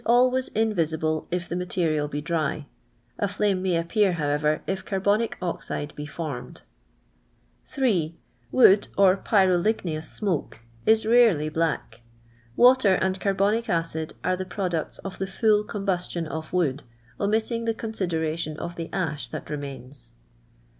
iys invisible if ttie miteriai be dry. A il imc m.iy ai'ue.ir, however, if carbonic oxide be formed. 6. W'o'nl III' /*./)•.>':'./ ii«. I iw .SiiioZc is rarely black. Watvr and carbonic acid are the products ot the full combustion of wo id, omitting the coo sidemtion of the a«h tnat remains.